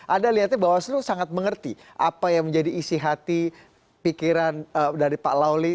ada lihatnya bahwa seluruh sangat mengerti apa yang menjadi isi hati pikiran dari pak lawli